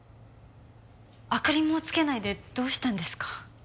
明かりもつけないでどうしたんですか？